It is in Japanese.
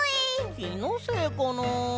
きのせいかなあ。